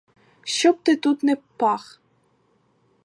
Щоб ти тут не пах!